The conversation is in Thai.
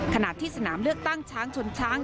ขณะที่สนามเลือกตั้งช้างชนช้าง